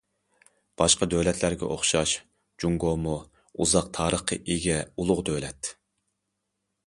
باشقا دۆلەتلەرگە ئوخشاش، جۇڭگومۇ ئۇزاق تارىخقا ئىگە ئۇلۇغ دۆلەت.